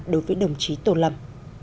đối với đồng chí tôn lâm